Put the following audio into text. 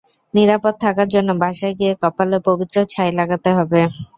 নিরাপদ থাকার জন্য বাসায় গিয়ে কপালে পবিত্র ছাই লাগাতে হবে।